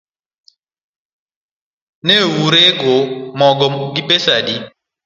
Neurego mogo gi pesa adi